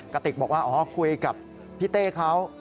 กระติกบอกว่าอ๋อคุยกับพี่เต้เขา